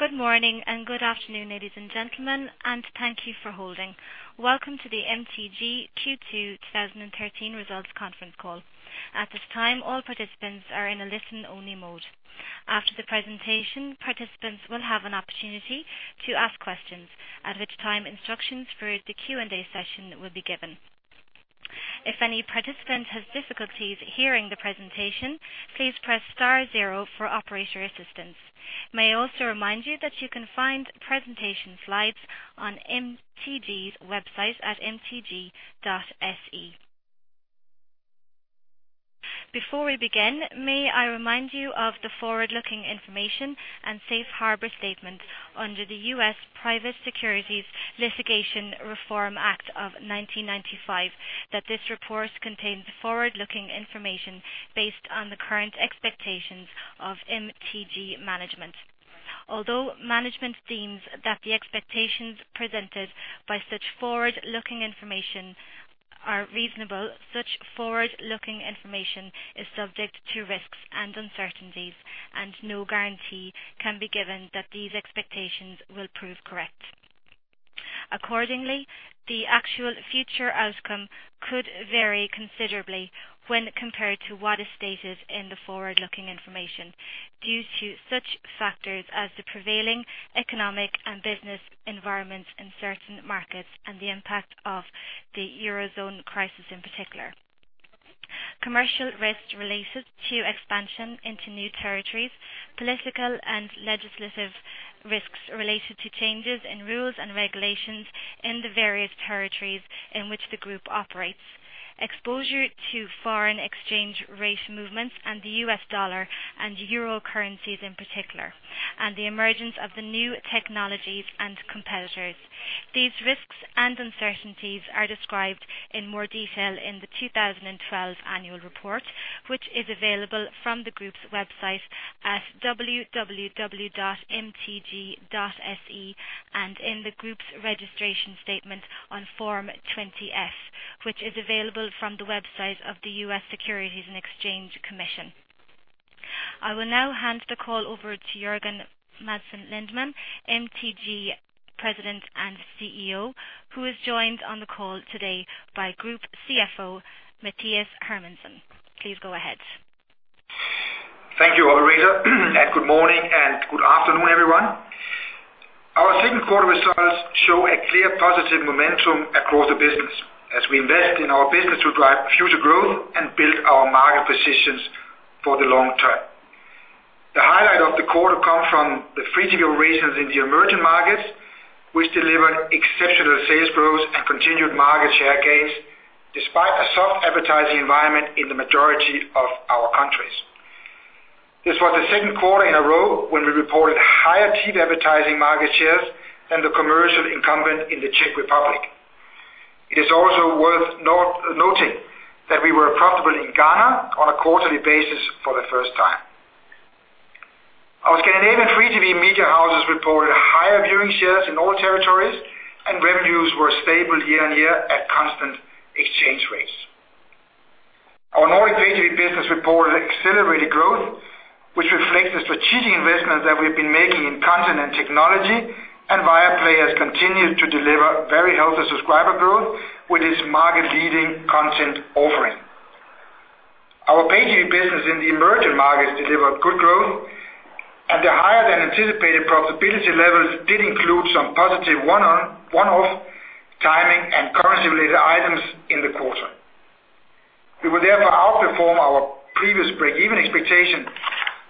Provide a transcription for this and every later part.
Good morning and good afternoon, ladies and gentlemen, and thank you for holding. Welcome to the MTG Q2 2013 results conference call. At this time, all participants are in a listen-only mode. After the presentation, participants will have an opportunity to ask questions. At which time, instructions for the Q&A session will be given. If any participant has difficulties hearing the presentation, please press star zero for operator assistance. May I also remind you that you can find presentation slides on MTG's website at mtg.se. Before we begin, may I remind you of the forward-looking information and safe harbor statement under the U.S. Private Securities Litigation Reform Act of 1995, that this report contains forward-looking information based on the current expectations of MTG management. Although management deems that the expectations presented by such forward-looking information are reasonable, such forward-looking information is subject to risks and uncertainties, and no guarantee can be given that these expectations will prove correct. Accordingly, the actual future outcome could vary considerably when compared to what is stated in the forward-looking information due to such factors as the prevailing economic and business environments in certain markets and the impact of the Eurozone crisis, in particular. Commercial risks related to expansion into new territories, political and legislative risks related to changes in rules and regulations in the various territories in which the group operates, exposure to foreign exchange rate movements and the U.S. dollar and euro currencies in particular, and the emergence of the new technologies and competitors. These risks and uncertainties are described in more detail in the 2012 annual report, which is available from the group's website at www.mtg.se and in the group's registration statement on Form 20-F, which is available from the website of the U.S. Securities and Exchange Commission. I will now hand the call over to Jørgen Madsen Lindemann, MTG President and CEO, who is joined on the call today by Group CFO, Mathias Hermansson. Please go ahead. Thank you, operator, and good morning, and good afternoon, everyone. Our second quarter results show a clear positive momentum across the business as we invest in our business to drive future growth and build our market positions for the long term. The highlight of the quarter come from the free TV operations in the emerging markets, which delivered exceptional sales growth and continued market share gains despite a soft advertising environment in the majority of our countries. This was the second quarter in a row when we reported higher TV advertising market shares than the commercial incumbent in the Czech Republic. It is also worth noting that we were profitable in Ghana on a quarterly basis for the first time. Our Scandinavian free TV media houses reported higher viewing shares in all territories, and revenues were stable year-on-year at constant exchange rates. Our Nordic pay TV business reported accelerated growth, which reflects the strategic investment that we've been making in content and technology, and Viaplay has continued to deliver very healthy subscriber growth with its market-leading content offering. Our pay TV business in the emerging markets delivered good growth, and the higher than anticipated profitability levels did include some positive one-off timing and currency related items in the quarter. We will therefore outperform our previous break-even expectation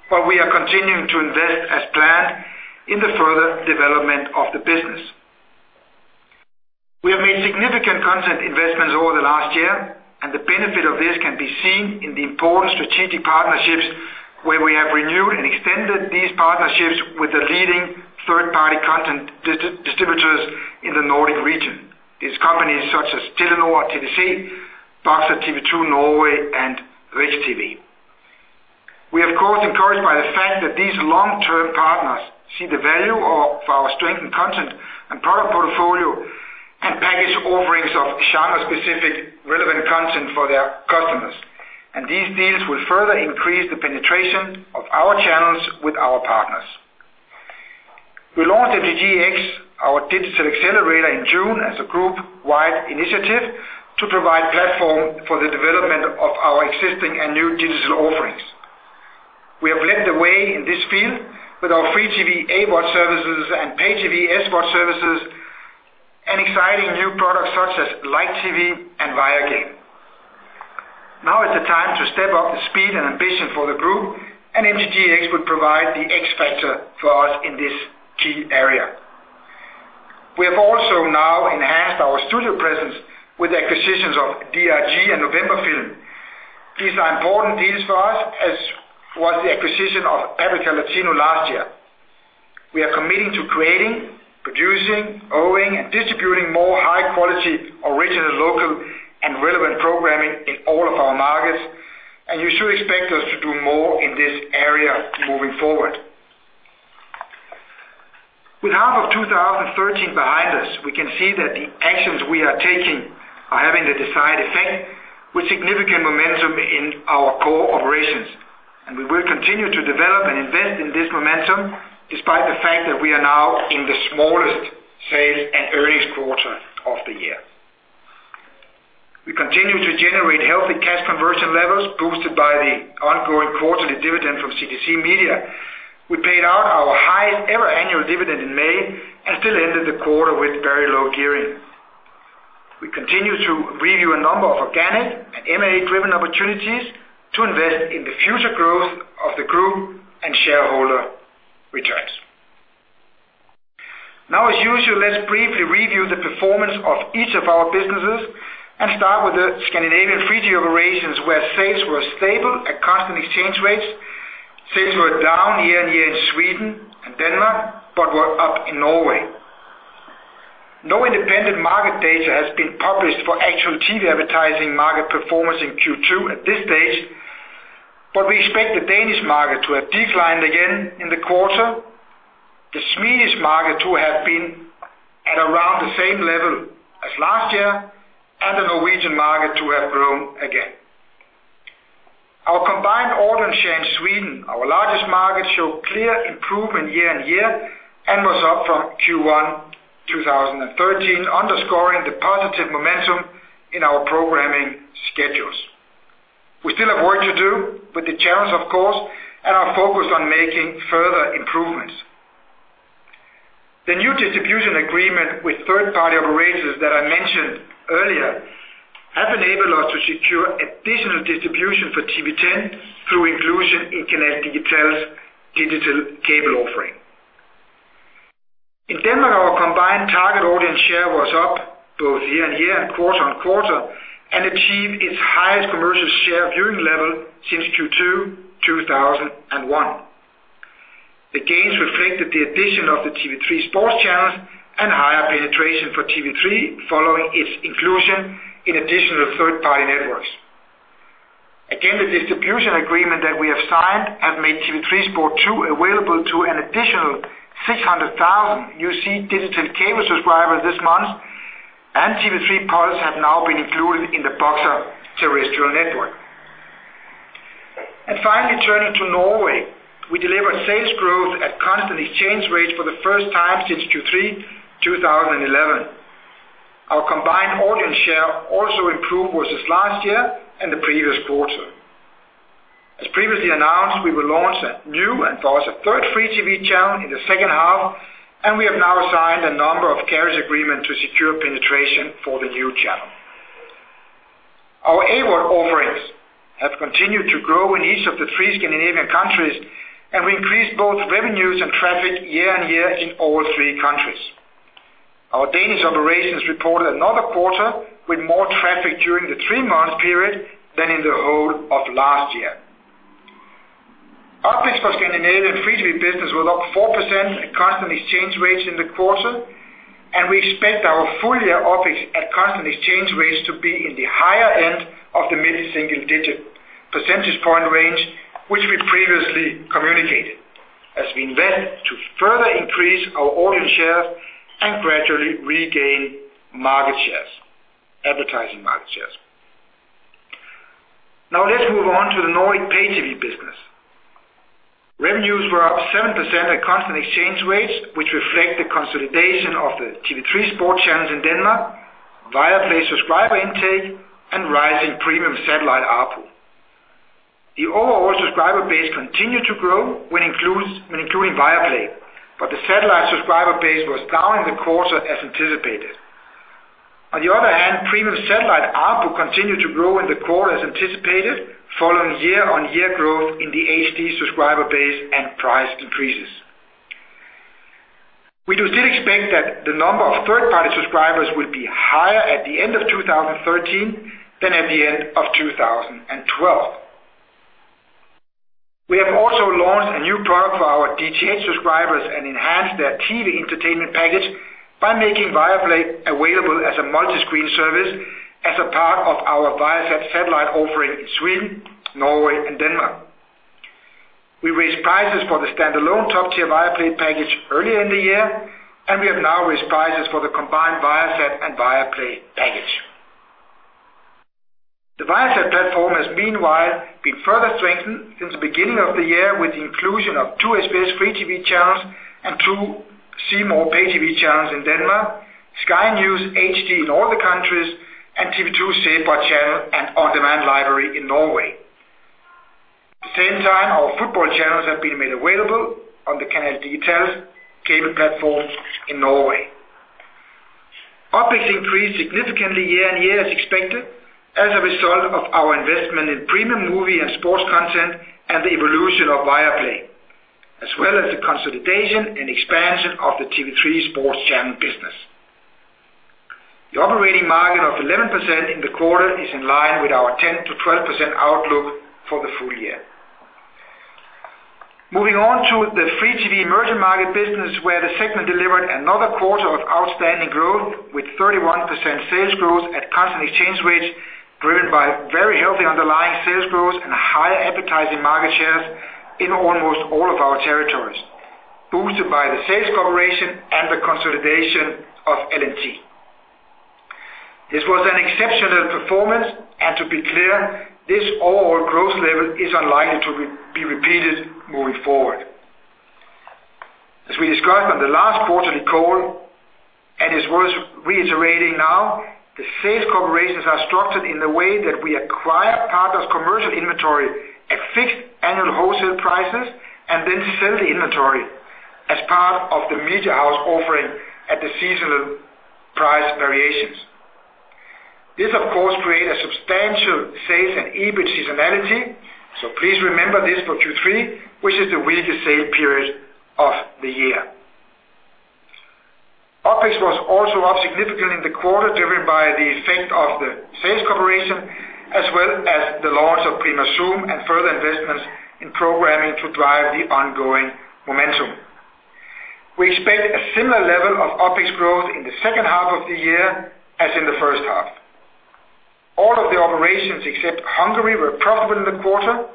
while we are continuing to invest as planned in the further development of the business. We have made significant content investments over the last year, and the benefit of this can be seen in the important strategic partnerships where we have renewed and extended these partnerships with the leading third-party content distributors in the Nordic region. These companies such as Telenor, TDC, Box, TV 2 Norway, and RiksTV. We, of course, encouraged by the fact that these long-term partners see the value of our strength in content and product portfolio and package offerings of channel-specific relevant content for their customers. These deals will further increase the penetration of our channels with our partners. We launched MTGx, our digital accelerator in June as a group-wide initiative to provide platform for the development of our existing and new digital offerings. We have led the way in this field with our free TV AVOD services and pay TV SVOD services and exciting new products such as light TV and Viagame. Now is the time to step up the speed and ambition for the group, and MTGx will provide the X factor for us in this key area. We have also now enhanced our studio presence with the acquisitions of DRG and November Film. These are important deals for us, as was the acquisition of Paprika Latino last year. We are committing to creating, producing, owning, and distributing more high quality, original, local, and relevant programming in all of our markets, and you should expect us to do more in this area moving forward. With half of 2013 behind us, we can see that the actions we are taking are having the desired effect, with significant momentum in our core operations. We will continue to develop and invest in this momentum, despite the fact that we are now in the smallest sales and earnings quarter of the year. We continue to generate healthy cash conversion levels, boosted by the ongoing quarterly dividend from CTC Media. We paid out our highest ever annual dividend in May and still ended the quarter with very low gearing. We continue to review a number of organic and M&A driven opportunities to invest in the future growth of the group and shareholder returns. As usual, let's briefly review the performance of each of our businesses and start with the Scandinavian free TV operations, where sales were stable at constant exchange rates. Sales were down year-on-year in Sweden and Denmark, but were up in Norway. No independent market data has been published for actual TV advertising market performance in Q2 at this stage, but we expect the Danish market to have declined again in the quarter, the Swedish market to have been at around the same level as last year, and the Norwegian market to have grown again. Our combined audience share in Sweden, our largest market, showed clear improvement year-on-year and was up from Q1 2013, underscoring the positive momentum in our programming schedules. We still have work to do, but the challenge, of course, and are focused on making further improvements. The new distribution agreement with third party operators that I mentioned earlier has enabled us to secure additional distribution for TV10 through inclusion in Canal Digital's digital cable offering. In Denmark, our combined target audience share was up both year-on-year and quarter-on-quarter and achieved its highest commercial share viewing level since Q2 2001. Again, the distribution agreement that we have signed has made TV3 Sport 2 available to an additional 600,000 YouSee digital cable subscribers this month, and TV3 Puls has now been included in the Boxer terrestrial network. Finally, turning to Norway. We delivered sales growth at constant exchange rates for the first time since Q3 2011. Our combined audience share also improved versus last year and the previous quarter. As previously announced, we will launch a new and thus a third free TV channel in the second half, and we have now signed a number of carriage agreement to secure penetration for the new channel. Our award offerings have continued to grow in each of the three Scandinavian countries, and we increased both revenues and traffic year-on-year in all three countries. Our Danish operations reported another quarter with more traffic during the three-month period than in the whole of last year. OpEx for Scandinavian free TV business were up 4% at constant exchange rates in the quarter, and we expect our full year OpEx at constant exchange rates to be in the higher end of the mid-single digit percentage point range, which we previously communicated, as we invest to further increase our audience share and gradually regain advertising market shares. Let's move on to the Nordic pay TV business. Revenues were up 7% at constant exchange rates, which reflect the consolidation of the TV3 Sport channels in Denmark, Viasat subscriber intake, and rise in premium satellite ARPU. The overall subscriber base continued to grow when including Viaplay, but the satellite subscriber base was down in the quarter as anticipated. On the other hand, premium satellite ARPU continued to grow in the quarter as anticipated, following year-on-year growth in the HD subscriber base and price increases. We do still expect that the number of third party subscribers will be higher at the end of 2013 than at the end of 2012. We have also launched a new product for our DTH subscribers and enhanced their TV entertainment package by making Viaplay available as a multi-screen service as a part of our Viasat satellite offering in Sweden, Norway and Denmark. We raised prices for the standalone top tier Viaplay package earlier in the year, and we have now raised prices for the combined Viasat and Viaplay package. The Viasat platform has meanwhile been further strengthened since the beginning of the year with the inclusion of two SBS free TV channels and two C More pay TV channels in Denmark, Sky News HD in all the countries, and TV2 Zebra channel and on-demand library in Norway. At the same time, our football channels have been made available on the Canal Digital cable platforms in Norway. OpEx increased significantly year-on-year as expected, as a result of our investment in premium movie and sports content and the evolution of Viaplay, as well as the consolidation and the expansion of the TV3 sports channel business. The operating margin of 11% in the quarter is in line with our 10%-12% outlook for the full year. Moving on to the free TV emerging market business where the segment delivered another quarter of outstanding growth with 31% sales growth at constant exchange rates, driven by very healthy underlying sales growth and higher advertising market shares in almost all of our territories, boosted by the sales cooperation and the consolidation of LNT. This was an exceptional performance, and to be clear, this overall growth level is unlikely to be repeated moving forward. As we discussed on the last quarterly call, and it's worth reiterating now, the sales corporations are structured in the way that we acquire partners' commercial inventory at fixed annual wholesale prices and then sell the inventory as part of the media house offering at the seasonal price variations. This, of course, creates a substantial sales and EBIT seasonality, so please remember this for Q3, which is the weakest sales period of the year. OpEx was also up significantly in the quarter, driven by the effect of the sales cooperation as well as the launch of Prima ZOOM and further investments in programming to drive the ongoing momentum. We expect a similar level of OpEx growth in the second half of the year as in the first half. All of the operations except Hungary were profitable in the quarter,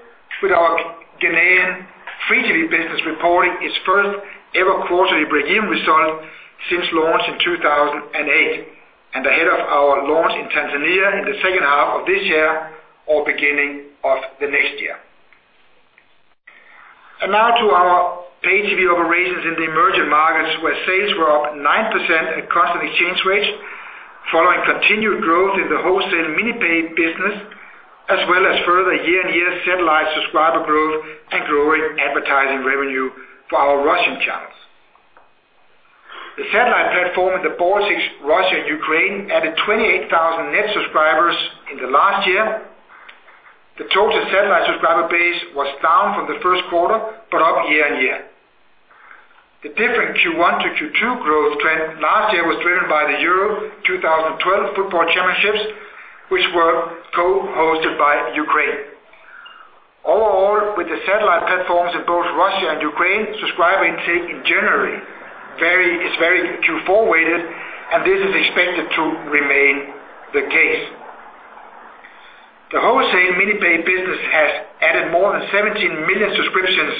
with our Ghanaian free TV business reporting its first-ever quarterly breakeven result since launch in 2008 and ahead of our launch in Tanzania in the second half of this year or beginning of the next year. Now to our pay-TV operations in the emerging markets where sales were up 9% at constant exchange rates following continued growth in the wholesale mini-pay business as well as further year-on-year satellite subscriber growth and growing advertising revenue for our Russian channels. The satellite platform in the Baltics, Russia, and Ukraine added 28,000 net subscribers in the last year. The total satellite subscriber base was down from the first quarter, but up year-on-year. The different Q1 to Q2 growth trend last year was driven by the Euro 2012 football championships, which were co-hosted by Ukraine. Overall, with the satellite platforms in both Russia and Ukraine, subscriber intake in January is very Q4 weighted, and this is expected to remain the case. The wholesale mini-pay business has added more than 17 million subscriptions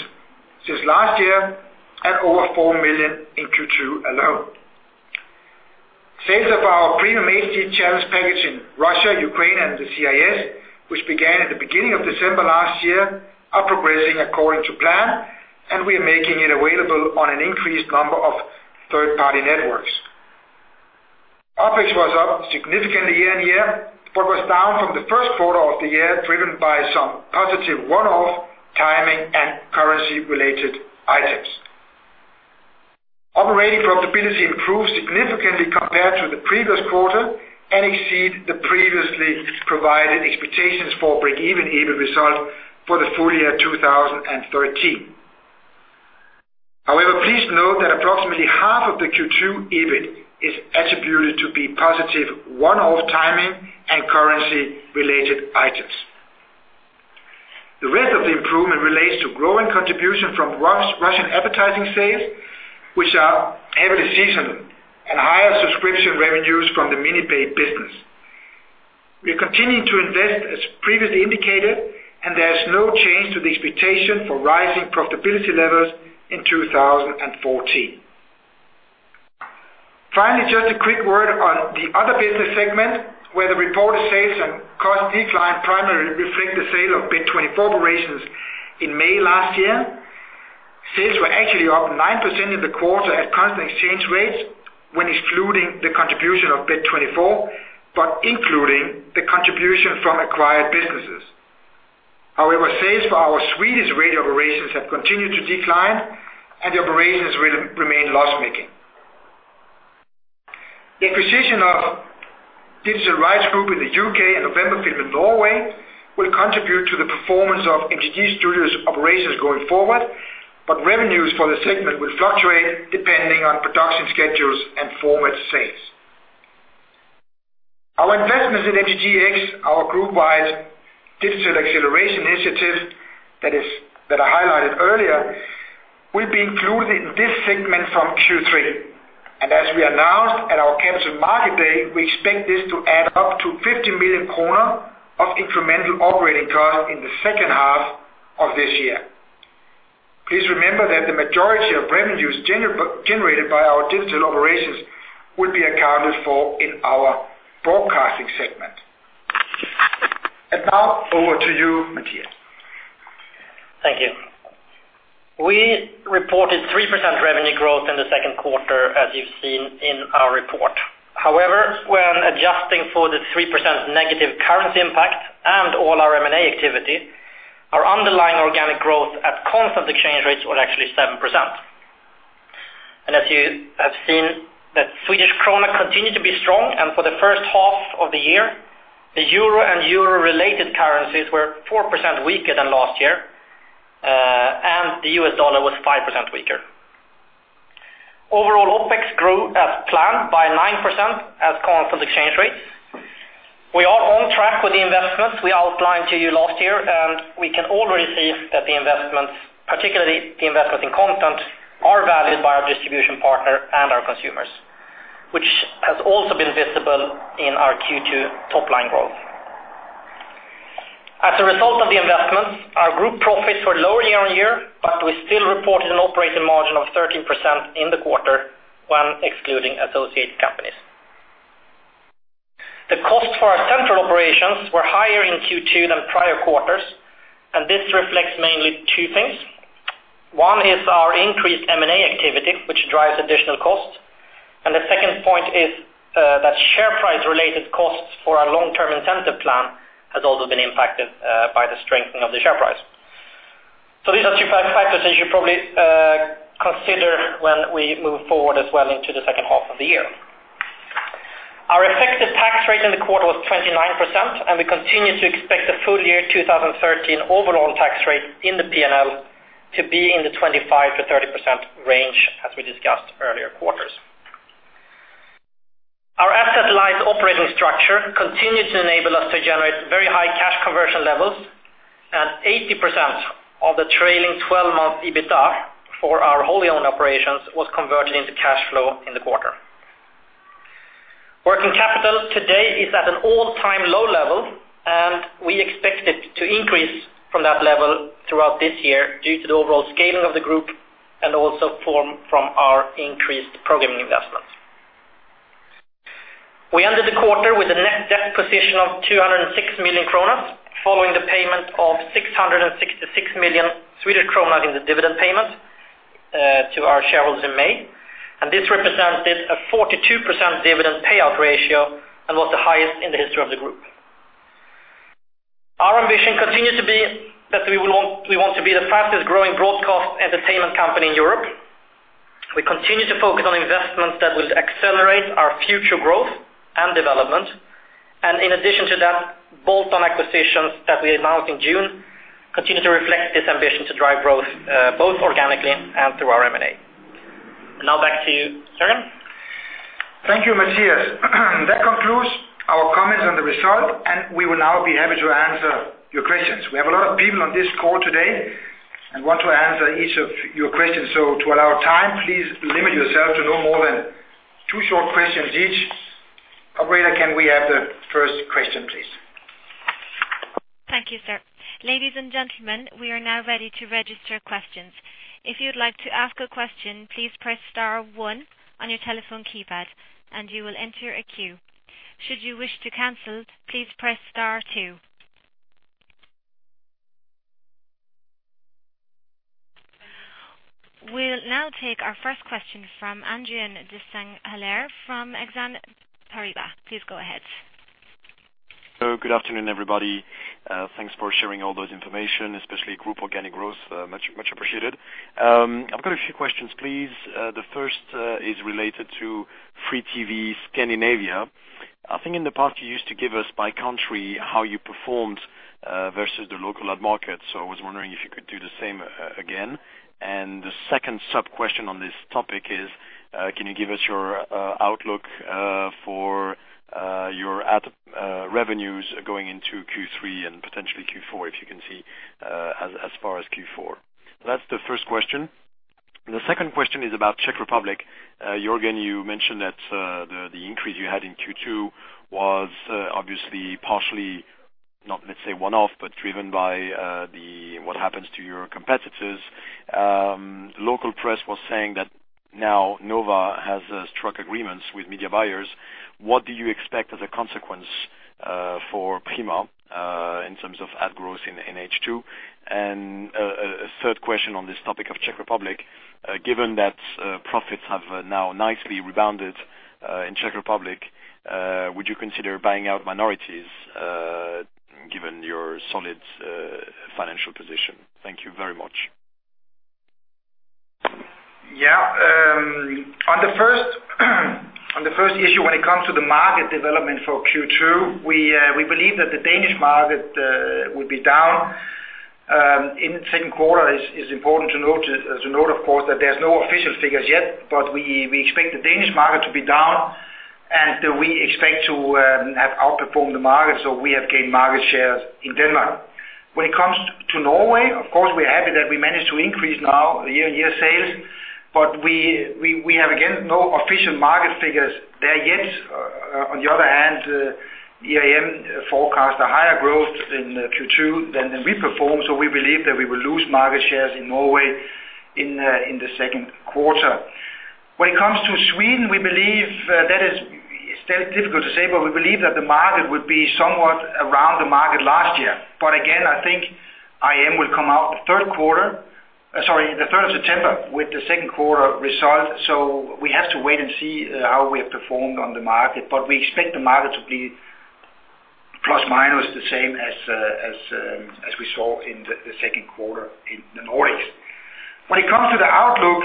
since last year and over four million in Q2 alone. Sales of our Viasat Premium HD in Russia, Ukraine, and the CIS, which began at the beginning of December last year, are progressing according to plan, and we are making it available on an increased number of third-party networks. OpEx was up significantly year-on-year, but was down from the first quarter of the year, driven by some positive one-off timing and currency related items. Operating profitability improved significantly compared to the previous quarter and exceeded the previously provided expectations for break-even EBIT results for the full year 2013. However, please note that approximately half of the Q2 EBIT is attributed to be positive one-off timing and currency related items. The rest of the improvement relates to growing contribution from Russian advertising sales, which are heavily seasonal, and higher subscription revenues from the mini-pay business. We are continuing to invest as previously indicated, there is no change to the expectation for rising profitability levels in 2014. Finally, just a quick word on the other business segment where the reported sales and cost decline primarily reflect the sale of Bet24 operations in May last year. Sales were actually up 9% in the quarter at constant exchange rates when excluding the contribution of Bet24, but including the contribution from acquired businesses. Sales for our Swedish radio operations have continued to decline, and the operations remain loss-making. The acquisition of Digital Rights Group in the U.K. and November Film in Norway will contribute to the performance of MTG Studios operations going forward, but revenues for the segment will fluctuate depending on production schedules and format sales. Our investments in MTGx, our group-wide digital acceleration initiative that I highlighted earlier, will be included in this segment from Q3. As we announced at our Capital Market Day, we expect this to add up to 50 million kronor of incremental operating costs in the second half of this year. Please remember that the majority of revenues generated by our digital operations will be accounted for in our broadcasting segment. Now over to you, Mathias. Thank you. We reported 3% revenue growth in the second quarter as you've seen in our report. When adjusting for the 3% negative currency impact and all our M&A activity, our underlying organic growth at constant exchange rates was actually 7%. As you have seen, the Swedish krona continued to be strong and for the first half of the year, the euro and euro related currencies were 4% weaker than last year, and the US dollar was 5% weaker. Overall, OpEx grew as planned by 9% at constant exchange rates. We are on track with the investments we announced to you last year, we can already see that the investments, particularly the investments in content, are valued by our distribution partner and our consumers, which has also been visible in our Q2 top-line growth. As a result of the investments, our group profits were lower year-on-year, but we still reported an operating margin of 13% in the quarter when excluding associated companies. The cost for our central operations were higher in Q2 than prior quarters. This reflects mainly two things. One is our increased M&A activity, which drives additional costs. The second point is that share price related costs for our long-term incentive plan has also been impacted by the strengthening of the share price. These are two factors that you should probably consider when we move forward as well into the second half of the year. Our effective tax rate in the quarter was 29%, and we continue to expect the full year 2013 overall tax rate in the P&L to be in the 25%-30% range, as we discussed earlier quarters. Our asset-light operating structure continues to enable us to generate very high cash conversion levels. 80% of the trailing 12-month EBITDA for our wholly owned operations was converted into cash flow in the quarter. Working capital today is at an all-time low level, and we expect it to increase from that level throughout this year due to the overall scaling of the group and also from our increased programming investments. We ended the quarter with a net debt position of 206 million kronor, following the payment of 666 million Swedish kronor in the dividend payment to our shareholders in May. This represented a 42% dividend payout ratio and was the highest in the history of the group. Our ambition continues to be that we want to be the fastest growing broadcast entertainment company in Europe. We continue to focus on investments that will accelerate our future growth and development. In addition to that, bolt-on acquisitions that we announced in June continue to reflect this ambition to drive growth both organically and through our M&A. Now back to you, Jørgen. Thank you, Matthias. That concludes our comments on the result. We will now be happy to answer your questions. We have a lot of people on this call today and want to answer each of your questions. To allow time, please limit yourself to no more than two short questions each. Operator, can we have the first question, please? Thank you, sir. Ladies and gentlemen, we are now ready to register questions. If you'd like to ask a question, please press star one on your telephone keypad and you will enter a queue. Should you wish to cancel, please press star two. We'll now take our first question from Adrien de Saint Hilaire from Exane BNP Paribas. Please go ahead. Good afternoon, everybody. Thanks for sharing all those information, especially group organic growth, much appreciated. I've got a few questions, please. The first is related to free TV Scandinavia. I think in the past you used to give us by country how you performed versus the local ad market. I was wondering if you could do the same again. The second sub-question on this topic is, can you give us your outlook for your ad revenues going into Q3 and potentially Q4, if you can see as far as Q4? That's the first question. The second question is about Czech Republic. Jørgen, you mentioned that the increase you had in Q2 was obviously partially, not let's say one-off, but driven by what happens to your competitors. Local press was saying that now Nova has struck agreements with media buyers. What do you expect as a consequence for Prima in terms of ad growth in H2? A third question on this topic of Czech Republic, given that profits have now nicely rebounded in Czech Republic, would you consider buying out minorities given your solid financial position? Thank you very much. On the first issue, when it comes to the market development for Q2, we believe that the Danish market will be down in the second quarter. It's important to note, of course, that there's no official figures yet, but we expect the Danish market to be down, and we expect to have outperformed the market. We have gained market shares in Denmark. When it comes to Norway, of course, we're happy that we managed to increase now the year-on-year sales, but we have, again, no official market figures there yet. On the other hand, IRM forecast a higher growth in Q2 than we performed. We believe that we will lose market shares in Norway in the second quarter. When it comes to Sweden, it's difficult to say, but we believe that the market will be somewhat around the market last year. Again, I think IRM will come out the 3rd of September with the second quarter results. We have to wait and see how we have performed on the market, but we expect the market to be plus minus the same as we saw in the second quarter in the Nordics. When it comes to the outlook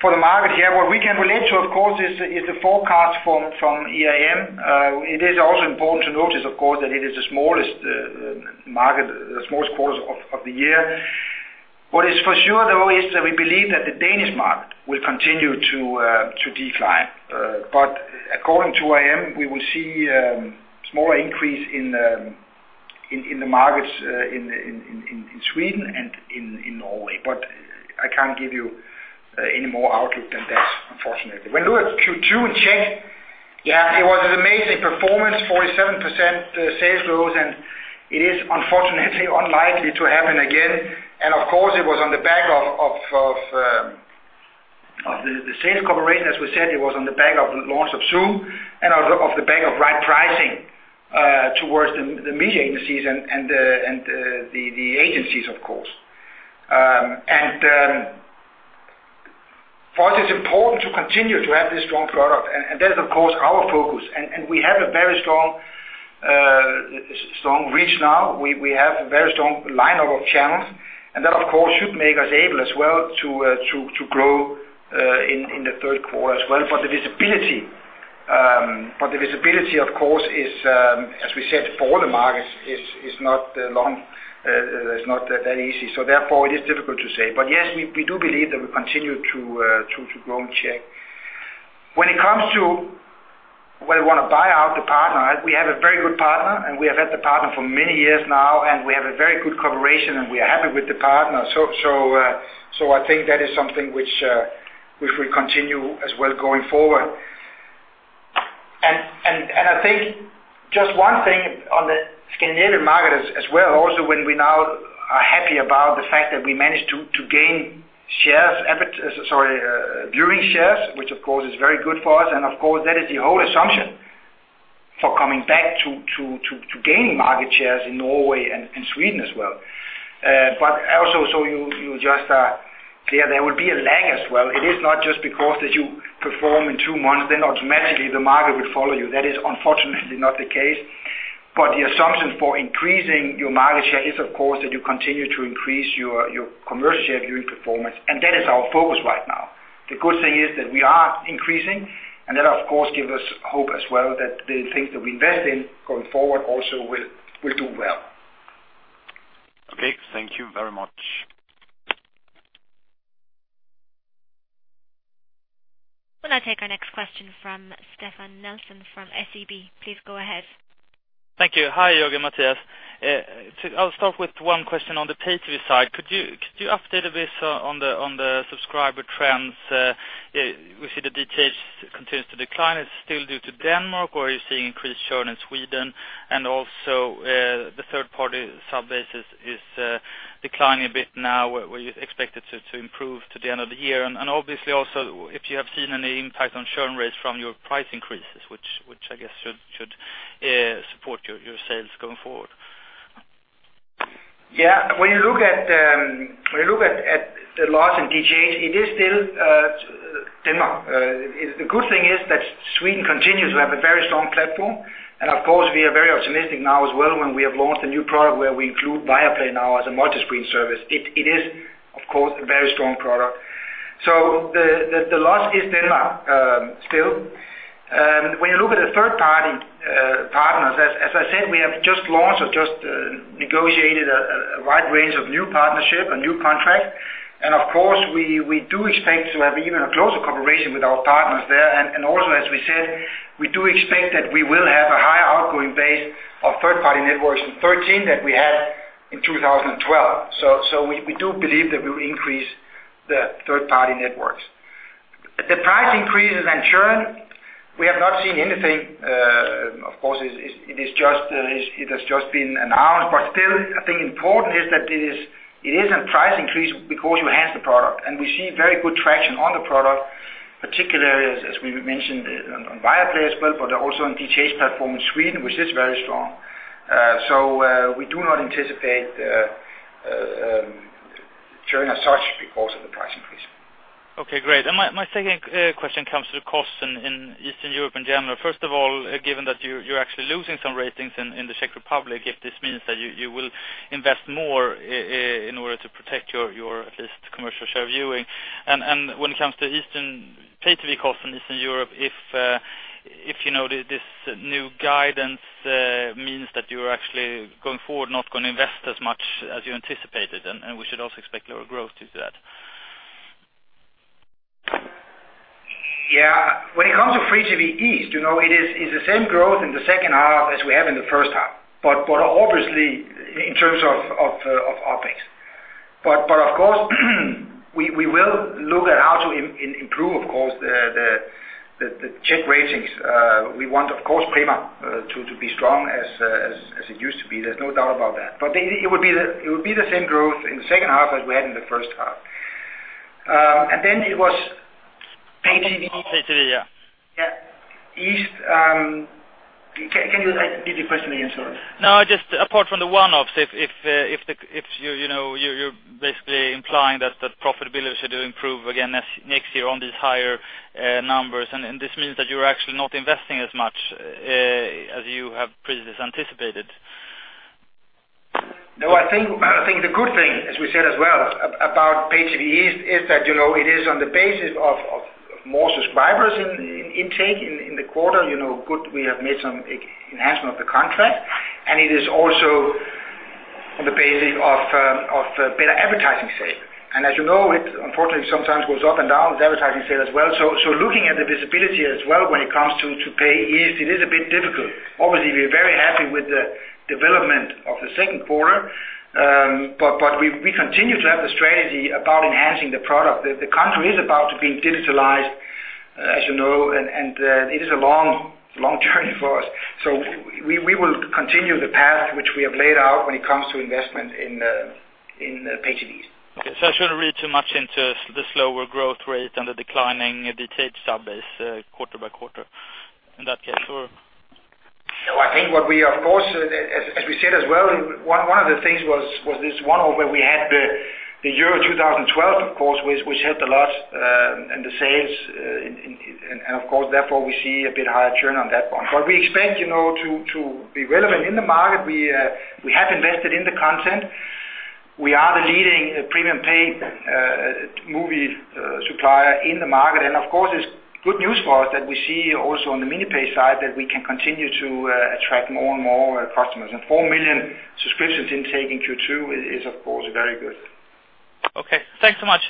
for the market here, what we can relate to, of course, is the forecast from IRM. It is also important to notice, of course, that it is the smallest quarter of the year. What is for sure, though, is that we believe that the Danish market will continue to decline. According to IRM, we will see a small increase in the markets in Sweden and in Norway. I can't give you any more outlook than that, unfortunately. When you look at Q2 in Czech, it was an amazing performance, 47% sales growth, and it is unfortunately unlikely to happen again. Of course, it was on the back of the sales cooperation, as we said, it was on the back of the launch of Prima ZOOM and on the back of right pricing towards the media agencies and the agencies, of course. For us, it's important to continue to have this strong product. That's, of course, our focus. We have a very strong reach now. We have a very strong lineup of channels, and that, of course, should make us able as well to grow in the third quarter as well for the visibility. The visibility, of course, is, as we said, for all the markets is not that easy. Therefore, it is difficult to say. Yes, we do believe that we continue to grow in Czech. When it comes to whether we want to buy out the partner, we have a very good partner, and we have had the partner for many years now, and we have a very good cooperation, and we are happy with the partner. I think that is something which we will continue as well going forward. I think just one thing on the Scandinavian market as well, also when we now are happy about the fact that we managed to gain viewing shares, which of course is very good for us. Of course, that is the whole assumption for coming back to gain market shares in Norway and Sweden as well. You just are clear, there will be a lag as well. It is not just because as you perform in two months, then automatically the market will follow you. That is unfortunately not the case. The assumption for increasing your market share is, of course, that you continue to increase your commercial share viewing performance. That is our focus right now. The good thing is that we are increasing, and that of course gives us hope as well that the things that we invest in going forward also will do well. Okay. Thank you very much. We'll now take our next question from Stefan Nilsson from SEB. Please go ahead. Thank you. Hi, Jørgen and Mathias. I'll start with one question on the pay-TV side. Could you update a bit on the subscriber trends? We see the DTH continues to decline. Is it still due to Denmark, or are you seeing increased churn in Sweden? Also, the third-party sub base is declining a bit now. Were you expected to improve to the end of the year? Obviously also, if you have seen any impact on churn rates from your price increases, which I guess should support your sales going forward. Yeah. When you look at the loss in DTH, it is still Denmark. The good thing is that Sweden continues to have a very strong platform, and of course, we are very optimistic now as well when we have launched a new product where we include Viaplay now as a multi-screen service. It is, of course, a very strong product. The loss is Denmark still. When you look at the third-party partners, as I said, we have just launched or just negotiated a wide range of new partnership, a new contract. Of course, we do expect to have even a closer cooperation with our partners there. Also, as we said, we do expect that we will have a higher outgoing base of third-party networks in 2013 than we had in 2012. We do believe that we will increase the third-party networks. The price increases and churn, we have not seen anything. Of course, it has just been announced, but still, I think important is that it is a price increase because you enhance the product. We see very good traction on the product, particularly as we mentioned on Viaplay as well, but also on DTH platform in Sweden, which is very strong. We do not anticipate churn as such because of the price increase. Okay, great. My second question comes to the costs in Eastern Europe in general. First of all, given that you're actually losing some ratings in the Czech Republic, if this means that you will invest more in order to protect your, at least, commercial share viewing. When it comes to pay TV cost in Eastern Europe, if you know this new guidance means that you're actually going forward not going to invest as much as you anticipated, and we should also expect lower growth due to that. Yeah. When it comes to free TV East, it's the same growth in the second half as we have in the first half, obviously in terms of OpEx. Of course, we will look at how to improve, of course, the Czech ratings. We want, of course, Prima to be strong as it used to be. There's no doubt about that. It would be the same growth in the second half as we had in the first half. Then it was pay TV- Pay TV, yeah. Yeah. Can you repeat the question again, sorry? No, just apart from the one-offs, if you're basically implying that profitability should improve again next year on these higher numbers, this means that you're actually not investing as much as you have previously anticipated. No, I think the good thing, as we said as well about pay TV East, is that it is on the basis of more subscribers intake in the quarter. Good, we have made some enhancement of the contract. It is also on the basis of better advertising sale. As you know, it unfortunately sometimes goes up and down with advertising sale as well. Looking at the visibility as well when it comes to pay is, it is a bit difficult. Obviously, we are very happy with the development of the second quarter, but we continue to have the strategy about enhancing the product. The country is about to be digitalized, as you know, it is a long journey for us. We will continue the path which we have laid out when it comes to investment in pay TV. Okay. I shouldn't read too much into the slower growth rate and the declining DTH sub base quarter by quarter in that case, or? No, I think what we, of course, as we said as well, one of the things was this one where we had the year 2012, of course, which had the last, the sales, therefore we see a bit higher churn on that one. We expect to be relevant in the market. We have invested in the content. We are the leading premium pay movie supplier in the market. Of course, it's good news for us that we see also on the mini pay side that we can continue to attract more and more customers. 4 million subscriptions intake in Q2 is, of course, very good. Okay. Thanks so much.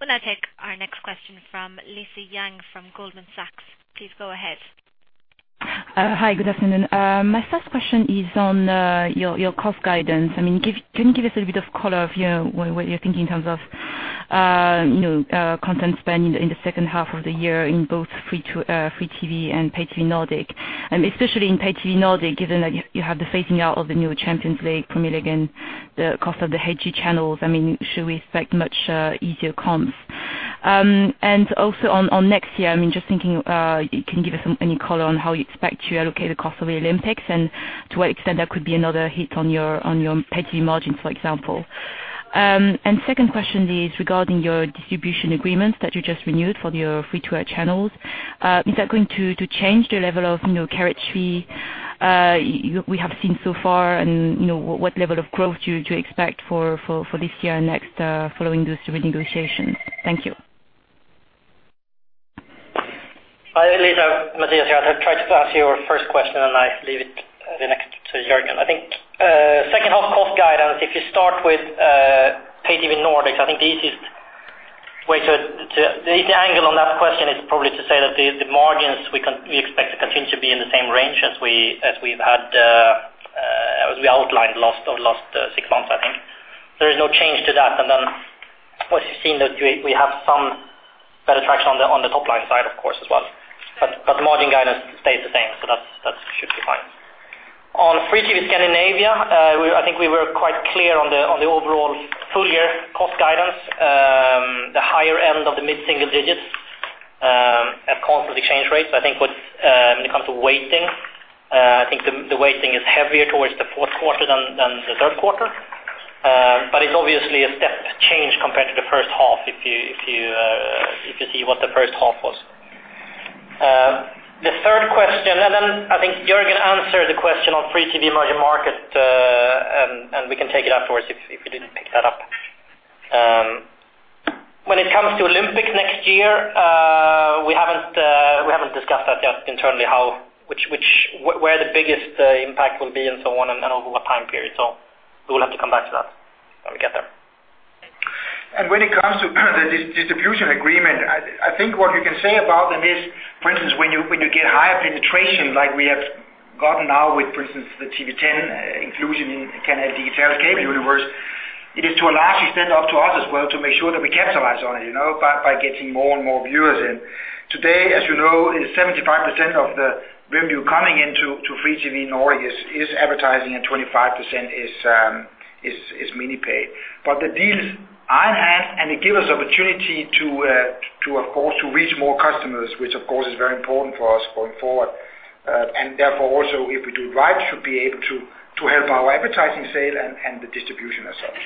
We'll now take our next question from Lisa Yang from Goldman Sachs. Please go ahead. Hi, good afternoon. My first question is on your cost guidance. Can you give us a little bit of color of what you're thinking in terms of content spend in the second half of the year in both free TV and pay TV Nordic? Especially in pay TV Nordic, given that you have the phasing out of the new Champions League, Premier League and the cost of the HD channels. Should we expect much easier comps? Also on next year, just thinking, you can give us any color on how you expect to allocate the cost of the Olympics and to what extent that could be another hit on your pay TV margins, for example. Second question is regarding your distribution agreements that you just renewed for your free-to-air channels. Is that going to change the level of carriage fee we have seen so far, and what level of growth do you expect for this year and next following those renegotiations? Thank you. Hi, Lisa. Mathias here. I'll try to answer your first question, I leave the next to Jørgen. I think second half cost guidance, if you start with pay TV Nordic, I think the easiest angle on that question is probably to say that the margins we expect to continue to be in the same range as we outlined over the last six months, I think. There is no change to that. Then once you've seen that we have some better traction on the top-line side, of course, as well. Margin guidance stays the same, so that should be fine. On free TV Scandinavia, I think we were quite clear on the overall full year cost guidance, the higher end of the mid-single digits at constant exchange rates. When it comes to weighting, I think the weighting is heavier towards the fourth quarter than the third quarter. It's obviously a step change compared to the first half if you see what the first half was. The third question, then I think Jørgen answered the question on free TV emerging market, we can take it afterwards if we didn't pick that up. When it comes to Olympics next year, we haven't discussed that yet internally, where the biggest impact will be and so on, over what time period. We will have to come back to that when we get there. Thank you. When it comes to the distribution agreement, I think what we can say about that is, for instance, when you get higher penetration like we have gotten now with, for instance, the TV10 inclusion in Canal Digital's cable universe, it is to a large extent up to us as well to make sure that we capitalize on it by getting more and more viewers in. Today, as you know, 75% of the revenue coming into free TV in Nordic is advertising and 25% is mini pay. The deals I have, and it give us opportunity to, of course, to reach more customers, which of course is very important for us going forward. Therefore also, if we do it right, should be able to help our advertising sale and the distribution as such.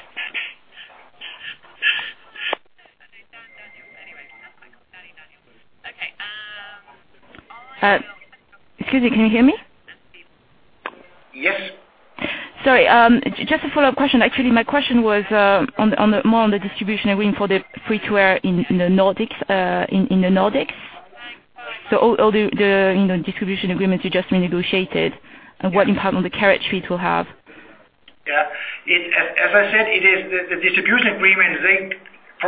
Excuse me, can you hear me? Yes. Sorry. Just a follow-up question. Actually, my question was more on the distribution waiting for the free-to-air in the Nordics. All the distribution agreements you just renegotiated and what impact on the carriage fees will have. Yeah. As I said, the distribution agreements,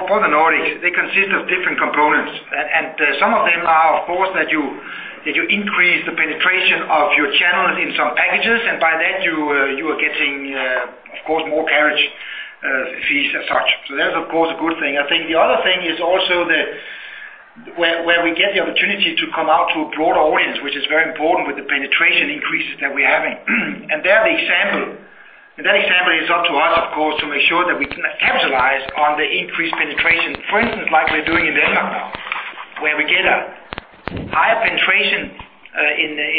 for the Nordics, they consist of different components. Some of them are, of course, that you increase the penetration of your channels in some packages, and by that you are getting, of course, more carriage fees as such. That's, of course, a good thing. I think the other thing is also where we get the opportunity to come out to a broader audience, which is very important with the penetration increases that we're having. There, the example. That example is up to us, of course, to make sure that we capitalize on the increased penetration. For instance, like we're doing in Denmark now, where we get a higher penetration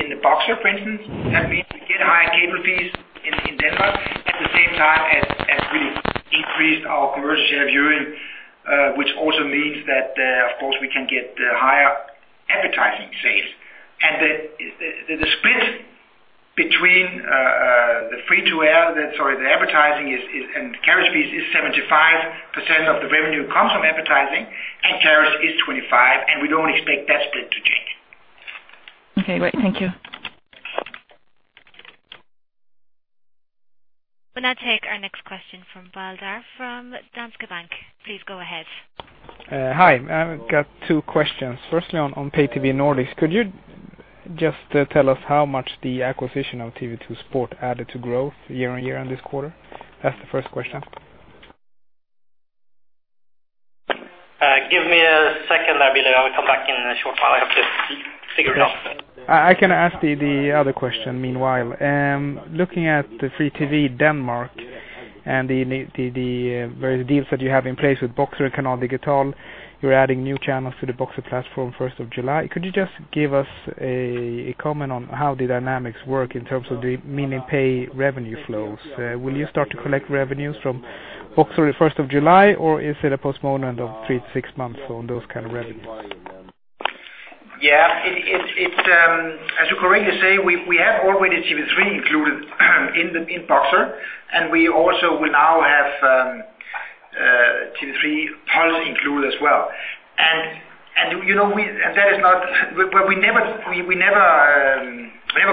in the Boxer, for instance. That means we get higher cable fees in Denmark at the same time as we increased our commercial share of viewing, which also means that, of course, we can get higher advertising sales. The split between Sorry, the advertising and carriage fees is 75% of the revenue comes from advertising and carriage is 25%, we don't expect that split to change. Okay, great. Thank you. We'll now take our next question from Baldar from Danske Bank. Please go ahead. Hi. I've got two questions. Firstly, on pay TV Nordics, could you just tell us how much the acquisition of TV 2 Sport added to growth year-on-year in this quarter? That's the first question. Give me a second there, Baldar. I will come back in a short while. I have to figure it out. I can ask the other question meanwhile. Looking at the free TV Denmark and the various deals that you have in place with Boxer, Canal Digital, you are adding new channels to the Boxer platform 1st of July. Could you just give us a comment on how the dynamics work in terms of the mini-pay revenue flows? Will you start to collect revenues from Boxer 1st of July, or is it a postponement of three to six months on those kind of revenues? As you correctly say, we have already TV3 included in Boxer, and we also will now have TV3 Puls included as well. We never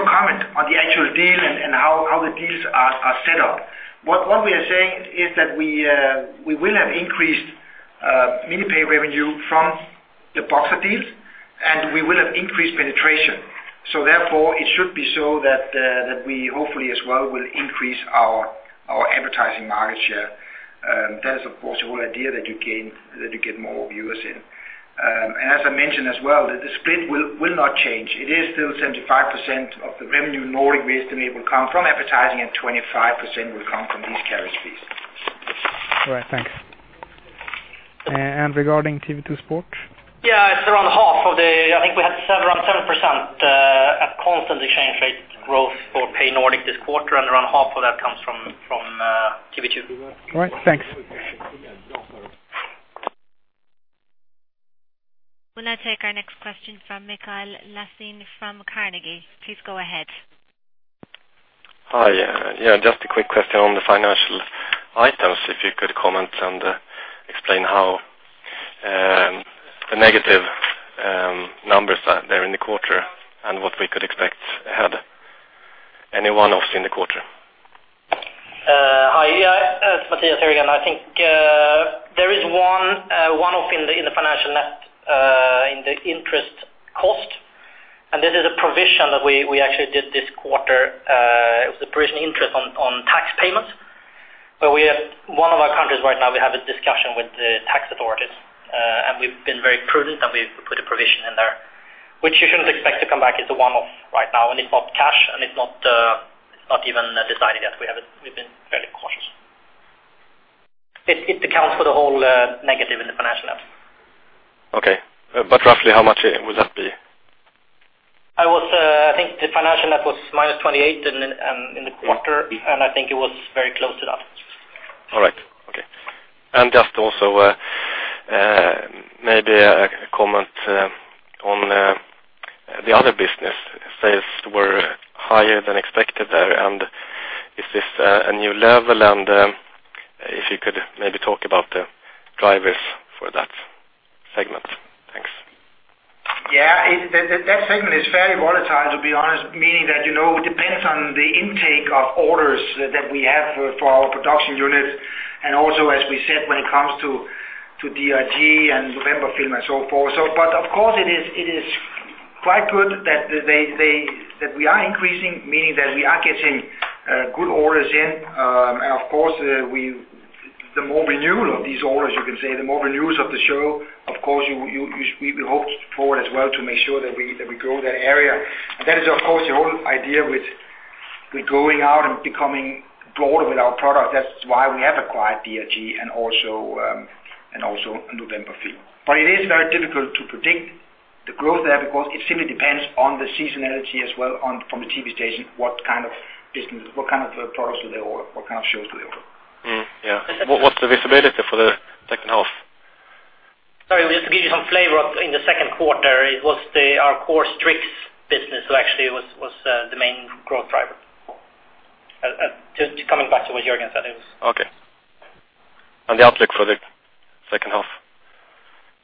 comment on the actual deal and how the deals are set up. What we are saying is that we will have increased mini-pay revenue from the Boxer deals, and we will have increased penetration. Therefore, it should be so that we hopefully as well will increase our advertising market share. That is, of course, the whole idea that you get more viewers in. As I mentioned as well, the split will not change. It is still 75% of the revenue Nordic we estimate will come from advertising and 25% will come from these carriage fees. All right. Thanks. Regarding TV 2 Sport? Yeah, I think we have around 7% at constant exchange rate growth for Pay Nordic this quarter, and around half of that comes from TV 2. All right. Thanks. We'll now take our next question from Mikael Laséen from Carnegie. Please go ahead. Hi. Yeah, just a quick question on the financial items, if you could comment and explain how the negative numbers that there in the quarter and what we could expect ahead. Any one-offs in the quarter? Hi. It's Mathias here again. I think there is one-off in the financial net in the interest cost. This is a provision that we actually did this quarter. It was the provision interest on tax payments. One of our countries right now, we have a discussion with the tax authorities. We've been very prudent. We've put a provision in there, which you shouldn't expect to come back. It's a one-off right now. It's not cash. It's not even decided yet. We've been fairly cautious. It accounts for the whole negative in the financial net. Okay. Roughly how much will that be? I think the financial net was minus 28 in the quarter. I think it was very close to that. All right. Okay. Just also maybe a comment on the other business. Sales were higher than expected there. Is this a new level? If you could maybe talk about the drivers for that segment. Thanks. Yeah. That segment is fairly volatile, to be honest, meaning that it depends on the intake of orders that we have for our production unit and also as we said when it comes to DRG and November Film and so forth. Of course it is quite good that we are increasing, meaning that we are getting good orders in. Of course, the more renewal of these orders, you can say, the more renewals of the show, of course, we hope for it as well to make sure that we grow that area. That is, of course, the whole idea with going out and becoming broader with our product. That's why we have acquired DRG and also November Film. It is very difficult to predict the growth there because it simply depends on the seasonality as well from the TV station, what kind of business, what kind of products do they order, what kind of shows do they order. Yeah. What's the visibility for the second half? Sorry, just to give you some flavor in the second quarter, it was our core Strix business who actually was the main growth driver. Just coming back to what Jørgen said it was. Okay. The outlook for the second half,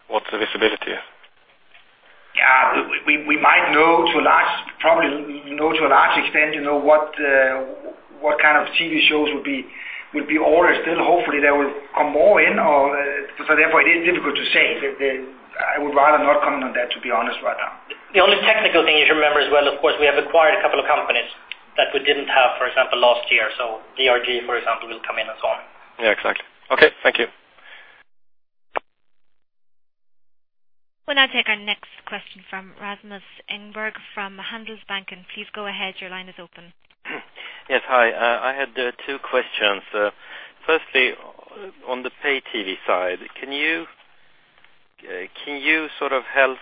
what's the visibility? Yeah. We might know to a large extent what kind of TV shows would be orders. Still, hopefully, there will come more in. Therefore, it is difficult to say. I would rather not comment on that, to be honest right now. The only technical thing you should remember as well, of course, we have acquired a couple of companies that we didn't have, for example, last year. DRG, for example, will come in and so on. Yeah, exactly. Okay. Thank you. We'll now take our next question from Rasmus Engberg from Handelsbanken. Please go ahead. Your line is open. Yes. Hi. I had two questions. Firstly, on the pay TV side, can you sort of help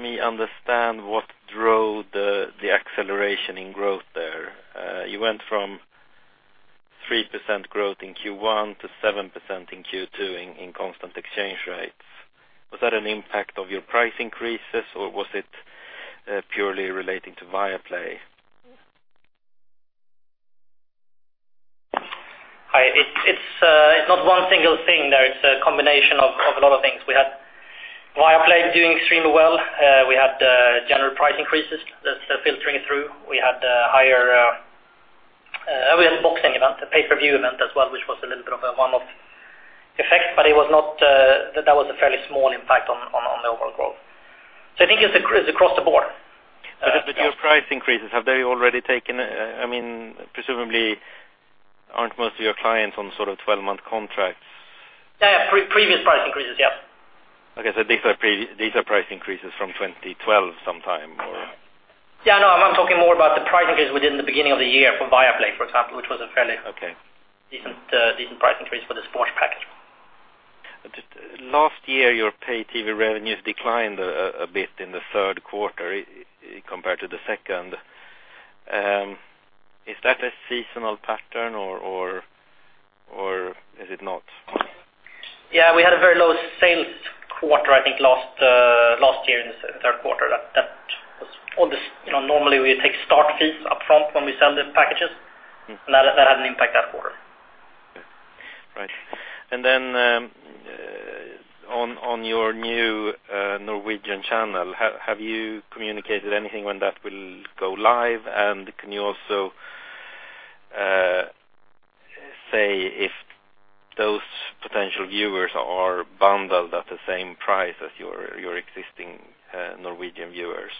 me understand what drove the acceleration in growth there? You went from 3% growth in Q1 to 7% in Q2 in constant exchange rates? Was that an impact of your price increases or was it purely relating to Viaplay? Hi. It's not one single thing there. It's a combination of a lot of things. We had Viaplay doing extremely well. We had the general price increases that's filtering through. We had a boxing event, a pay-per-view event as well, which was a little bit of a one-off effect. That was a fairly small impact on the overall growth. I think it's across the board. Your price increases, Presumably, aren't most of your clients on 12-month contracts? Yeah, previous price increases. Yeah. Okay. These are price increases from 2012 sometime, or? Yeah, no. I'm talking more about the price increases within the beginning of the year for Viaplay, for example, which was a fairly Okay decent price increase for the sports package. Last year, your pay TV revenues declined a bit in the third quarter compared to the second. Is that a seasonal pattern or is it not? Yeah, we had a very low sales quarter, I think, last year in the third quarter. Normally, we take start fees up front when we sell these packages. That had an impact that quarter. Okay. Right. Then, on your new Norwegian channel, have you communicated anything when that will go live? Can you also say if those potential viewers are bundled at the same price as your existing Norwegian viewers?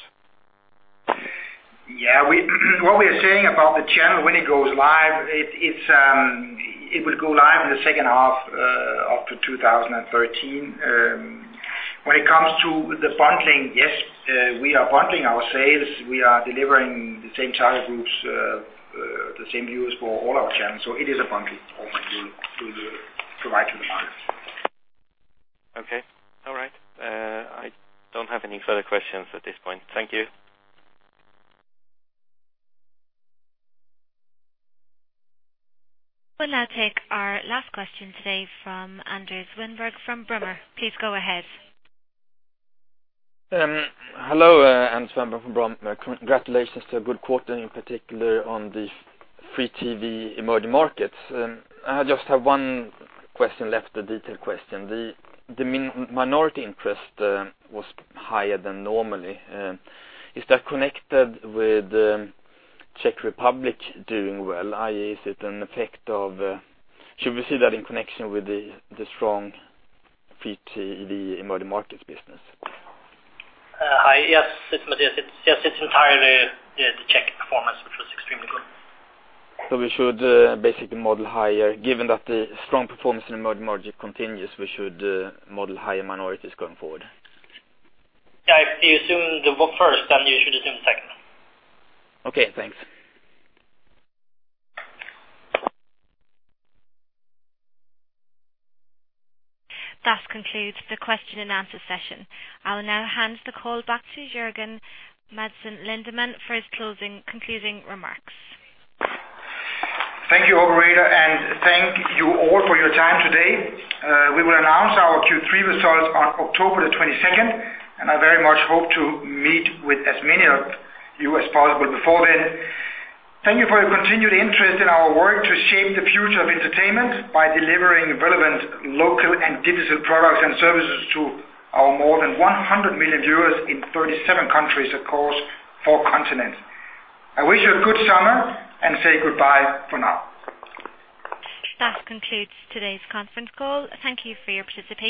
Yeah. What we are saying about the channel when it goes live, it will go live in the second half of 2013. When it comes to the bundling, yes, we are bundling our sales. We are delivering the same target groups, the same views for all our channels. It is a bundle offering we'll provide to the market. Okay. All right. I don't have any further questions at this point. Thank you. We'll now take our last question today from Anders Winberg from Brummer. Please go ahead. Hello, Anders Winberg from Brummer. Congratulations to a good quarter, in particular on the free TV emerging markets. I just have one question left, a detailed question. The minority interest was higher than normally. Is that connected with Czech Republic doing well, i.e., should we see that in connection with the strong free TV emerging markets business? Hi. Yes, it's Mathias. Yes, it's entirely the Czech performance, which was extremely good. We should basically model higher. Given that the strong performance in emerging market continues, we should model higher minorities going forward? Yeah. If you assume the first, then you should assume the second. Okay, thanks. That concludes the question and answer session. I'll now hand the call back to Jørgen Madsen Lindemann for his concluding remarks. Thank you, operator, and thank you all for your time today. We will announce our Q3 results on October the 22nd, and I very much hope to meet with as many of you as possible before then. Thank you for your continued interest in our work to shape the future of entertainment by delivering relevant local and digital products and services to our more than 100 million viewers in 37 countries across four continents. I wish you a good summer and say goodbye for now. That concludes today's conference call. Thank you for your participation.